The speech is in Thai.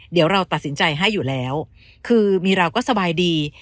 เดี๋ยวเราตัดสินใจให้อยู่แล้วคือมีเราก็สบายดี